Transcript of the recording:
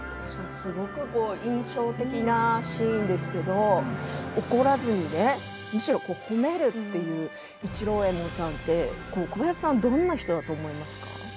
すごく印象的なシーンですけど、怒らずにねむしろ褒めるという市郎右衛門さんは小林さんはどんな人だと思いますか。